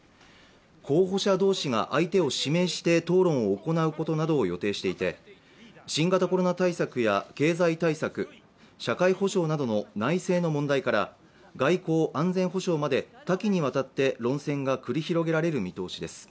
候補者同士が相手を指名して討論を行うことなどを予定していて、新型コロナ対策や経済対策、社会保障などの内政の問題から外交・安全保障まで多岐にわたって論戦が繰り広げられる見通しです。